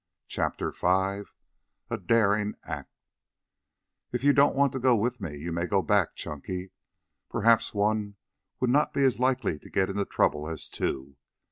CHAPTER V A DARING ACT "If you don't want to go with me you may go back, Chunky. Perhaps one would not be as likely to get into trouble as two.